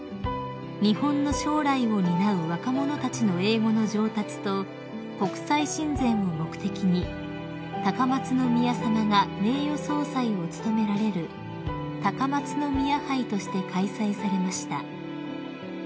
［日本の将来を担う若者たちの英語の上達と国際親善を目的に高松宮さまが名誉総裁を務められる高松宮杯として開催されました］